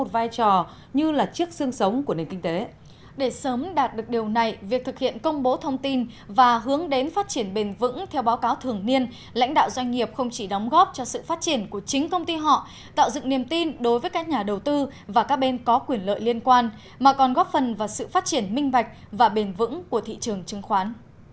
và hướng đến phát triển bền vững theo báo cáo thường niên lãnh đạo doanh nghiệp không chỉ đóng góp cho sự phát triển của chính công ty họ tạo dựng niềm tin đối với các nhà đầu tư và các bên có quyền lợi liên quan mà còn góp phần vào sự phát triển minh vạch và bền vững của thị trường chứng khoán